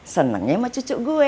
senengnya sama cucu gue